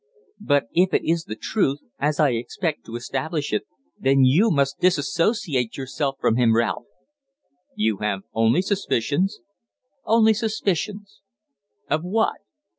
"But if it is the truth, as I expect to establish it, then you must dissociate yourself from him, Ralph." "You have only suspicions?" "Only suspicions." "Of what?"